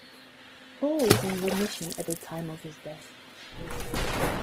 Hall was in remission at the time of his death.